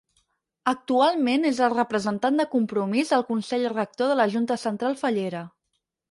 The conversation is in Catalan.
Actualment és el representant de Compromís al Consell Rector de la Junta Central Fallera.